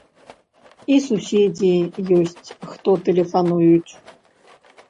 І суседзі ёсць, хто тэлефануюць.